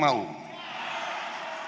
menang yang mau